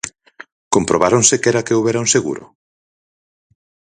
¿Comprobaron sequera que houbera un seguro?